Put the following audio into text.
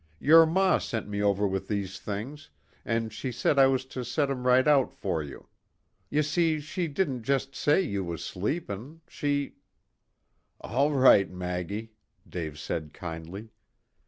Your ma sent me over with these things, an' she said as I was to set 'em right out for you. Y' see she didn't just say you was sleepin', she " "All right, Maggie," Dave said kindly.